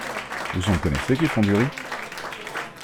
Vous en connaissez qui font du riz?